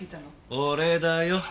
俺だよ。